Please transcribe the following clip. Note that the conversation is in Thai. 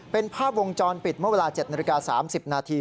เป็นภาพวงจรปิดเมื่อเวลา๗นาฬิกา๓๐นาที